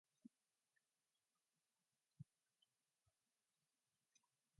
His idea shifts as he gets new information.